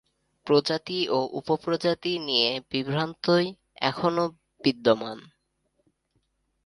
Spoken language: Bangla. প্রজাতি ও উপপ্রজাতি নিয়ে বিভ্রান্তি এখনও বিদ্যমান।